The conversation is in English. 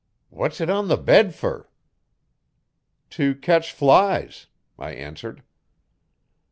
What's it on the bed fer?' 'To catch flies,' I answered.